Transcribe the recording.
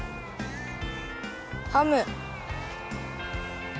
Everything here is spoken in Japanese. ハム。